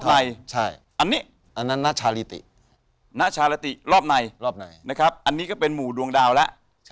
อันนี้ก็เป็นหมู่ดวงดาวละ